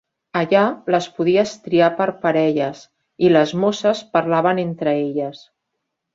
Allà les podies triar per parelles i les mosses parlaven entre elles.